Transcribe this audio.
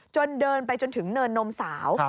เดินไปจนถึงเนินนมสาว